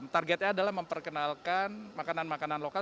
targetnya adalah memperkenalkan makanan makanan lokal